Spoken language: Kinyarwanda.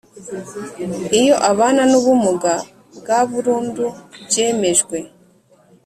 iyo abana n ubumuga bwa burundu byemejwe